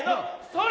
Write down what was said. それ！